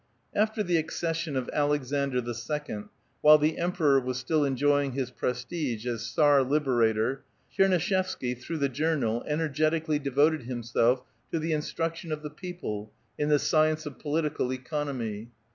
After the accession of Alexander II., while the Emperor was still enjoying his prestige as '* Tsar Liberator," Tcher nuishevskj', through the journal, energeticallj' devoted him self to the instruction of the people, in the science of political economy.